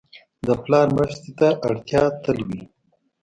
د پلار مرستې ته اړتیا تل وي.